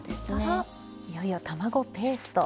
あっいよいよ卵ペースト。